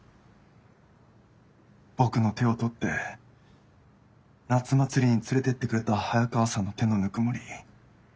僕の手を取って夏祭りに連れてってくれた早川さんの手のぬくもり。